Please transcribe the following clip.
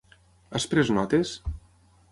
Has pres notes?